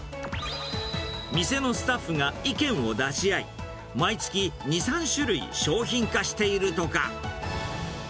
店のスタッフが意見を出し合い、毎月、２、３種類商品化しているとか。